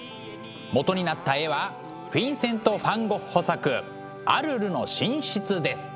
元になった絵はフィンセント・ファン・ゴッホ作「アルルの寝室」です。